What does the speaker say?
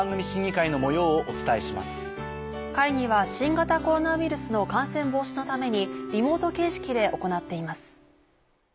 会議は新型コロナウイルスの感染防止のためにリモート形式で行っています。